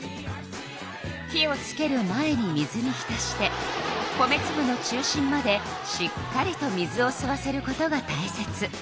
火をつける前に水に浸して米つぶの中心までしっかりと水をすわせることがたいせつ。